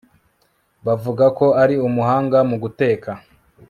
bavuga ko ari umuhanga mu guteka